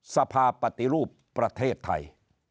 สภาพปฏิรูปประเทศไทย